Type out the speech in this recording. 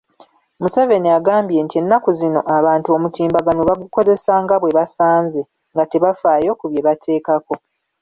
Museveni agambye nti ennaku zino abantu omutimbagano bagukozesa nga bwe basanze nga tebafaayo ku bye bateekako.